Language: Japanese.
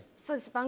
そうです